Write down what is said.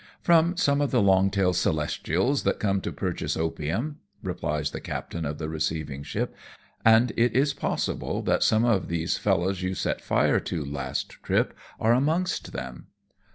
" From some of the long tailed Celestials that come to purchase opium/' replies the captain of the receiving ship, " and it is possible that some of these fellows you set fire to last trip are amongst them."